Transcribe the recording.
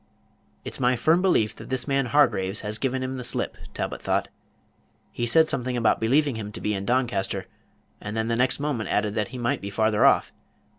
"It's my firm belief that this man Hargraves has given him the slip," Talbot thought. "He said something about believing him to be in Doncaster, and then the next moment added that he might be farther off.